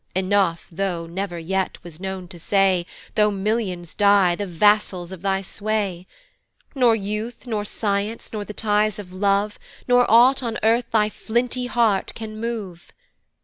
Enough thou never yet wast known to say, Though millions die, the vassals of thy sway: Nor youth, nor science, not the ties of love, Nor ought on earth thy flinty heart can move.